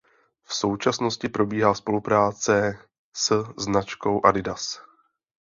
V současnosti probíhá spolupráce s značkou Adidas.